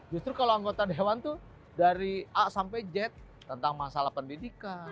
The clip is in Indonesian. justru kalau anggota dewan tuh dari a sampai z tentang masalah pendidikan